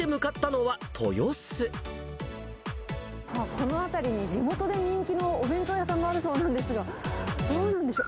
この辺りに、地元で人気のお弁当屋さんがあるそうなんですが、どうなんでしょう？